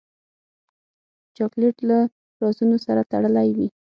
چاکلېټ له رازونو سره تړلی وي.